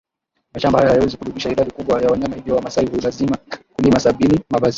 mashamba hayo hayawezi kudumisha idadi kubwa ya wanyama hivyo Wamaasai hulazimika kulima Sabini Mavazi